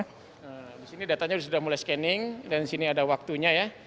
disini datanya sudah mulai scanning dan disini ada waktunya ya